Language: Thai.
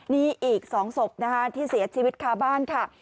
นี่อีก๒ศพนะคะที่เสียชีวิตคาบ้านค่ะ